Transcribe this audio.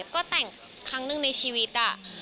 ก็แต่งครั้งหนึ่งในชีวิต